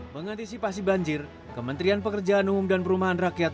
mengantisipasi banjir kementerian pekerjaan umum dan perumahan rakyat